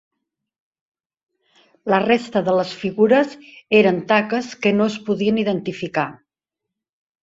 La resta de les figures eren taques que no es podien identificar.